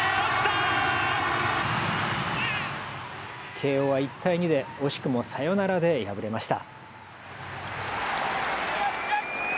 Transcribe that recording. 慶応は１対２で惜しくもサヨナラで敗れました。